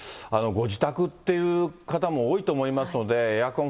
ご自宅っていう方も多いと思いますので、エアコン